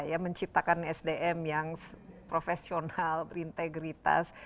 ya menciptakan sdm yang profesional berintegritas